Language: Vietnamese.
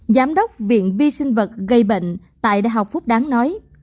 giám đốc viện vi sinh vật gây bệnh tại đại học phúc đáng nói